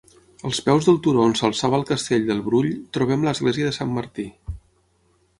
Als peus del turó on s'alçava el castell del Brull, trobem l'església de Sant Martí.